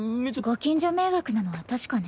ご近所迷惑なのは確かね。